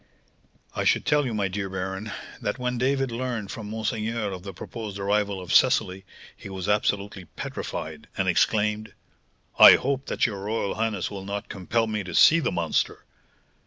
"I should tell you, my dear baron, that when David learned from monseigneur of the proposed arrival of Cecily, he was absolutely petrified, and exclaimed, 'I hope that your royal highness will not compel me to see the monster?'